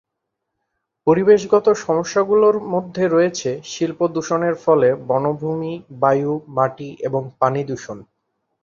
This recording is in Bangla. পরিবেশগত সমস্যাগুলোর মধ্যে রয়েছে শিল্প দূষণের ফলে বনভূমি, বায়ু, মাটি এবং পানি দূষণ।